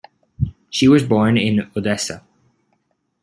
She was born in Odessa.